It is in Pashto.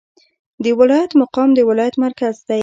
د ولایت مقام د ولایت مرکز دی